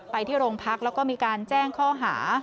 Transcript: ไปที่โรงพักแล้วก็มีการแจ้งข้อหา